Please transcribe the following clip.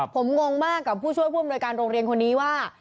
ผมงงมากกับผู้ช่วยผู้อำนวยการโรงเรียนคนนี้ว่า